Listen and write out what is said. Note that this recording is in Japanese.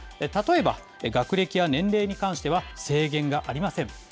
例えば、学歴や年齢に関しては、制限がありません。